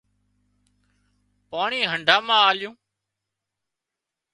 پاڻي هنڍا مان آلو